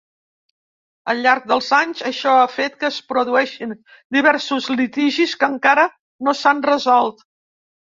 Al llarg dels anys, això ha fet que es produeixin diversos litigis que encara no s'han resolt.